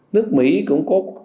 nước mỹ cũng có